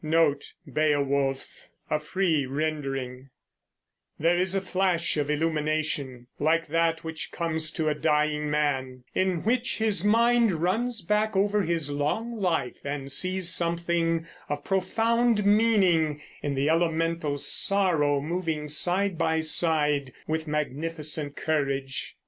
There is a flash of illumination, like that which comes to a dying man, in which his mind runs back over his long life and sees something of profound meaning in the elemental sorrow moving side by side with magnificent courage.